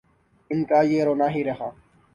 ان کا یہ رونا ہی رہا۔